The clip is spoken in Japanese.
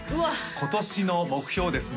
今年の目標をですね